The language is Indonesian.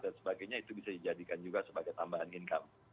dan sebagainya itu bisa dijadikan juga sebagai tambahan income